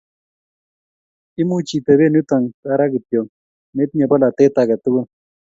Imuchi itebee yuto tara kityo metinye polatet ake tukul